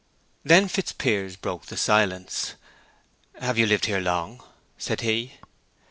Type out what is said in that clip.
Then Fitzpiers broke the silence. "Have you lived here long?" said he.